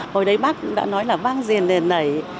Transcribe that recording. hồi đấy bác đã nói là vang diền lên này